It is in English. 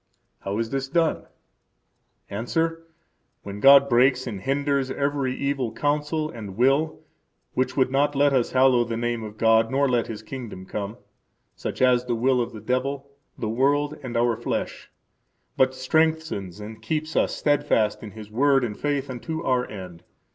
How is this done? –Answer: When God breaks and hinders every evil counsel and will which would not let us hallow the name of God nor let His kingdom come, such as the will of the devil, the world, and our flesh; but strengthens and keeps us steadfast in His Word and in faith unto our end.